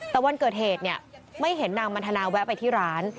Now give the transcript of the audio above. แต่วันเกิดเหตุเนี่ยไม่เห็นนางมันทนาแวะไปที่ร้าน